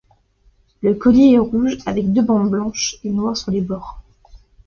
Le collier est rouge avec deux bandes blanches et noires sur les bords.